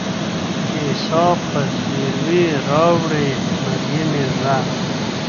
چي عیسی په زګیروي راوړي مریمي ږغ